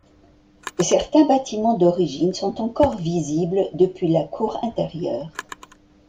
Certains bâtiments d'origine sont encore visibles depuis la cour intérieure.